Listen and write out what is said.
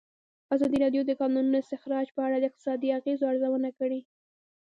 ازادي راډیو د د کانونو استخراج په اړه د اقتصادي اغېزو ارزونه کړې.